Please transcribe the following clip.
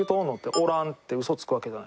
「おらん」ってウソつくわけじゃないですか。